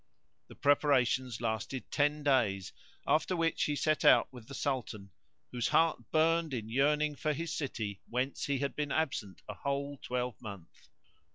The preparations lasted ten days, after which he set out with the Sultan, whose heart burned in yearning for his city whence he had been absent a whole twelvemonth.